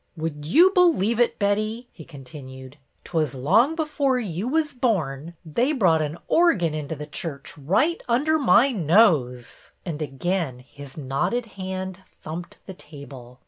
" Would you believe it, Betty," he contin ued, "— 't was long before you was born, — they brought an organ into the church right under my nose ?" and again his knotted hand thumped the table.